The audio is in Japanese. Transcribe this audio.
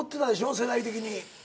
世代的に。